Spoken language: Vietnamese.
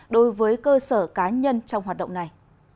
đối với cơ sở cá nhân trong hoạt động này